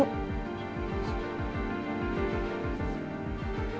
duduk bersama dengan keisha